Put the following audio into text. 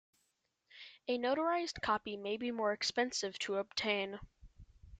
A notarized copy may be more expensive to obtain.